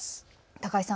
高井さん